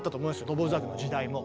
ドボルザークの時代も。